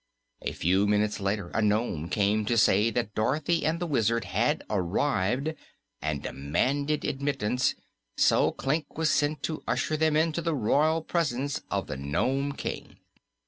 A few minutes later a nome came to say that Dorothy and the Wizard had arrived and demanded admittance, so Klik was sent to usher them into the royal presence of the Nome King.